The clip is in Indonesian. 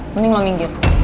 mending lo minggir